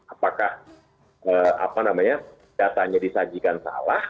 apakah datanya disajikan salah